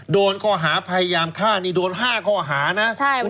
โดนข้อหาพยายามฆ่านี่โดน๕ข้อหานะ